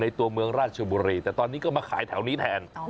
ตัวเมืองราชบุรีแต่ตอนนี้ก็มาขายแถวนี้แทน